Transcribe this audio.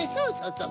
そう